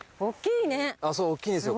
大っきいんですよ